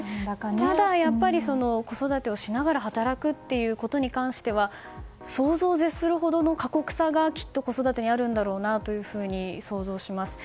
ただ、やっぱり子育てをしながら働くということに関しては想像を絶するほどの過酷さがきっと子育てにあるんだろうなと想像します。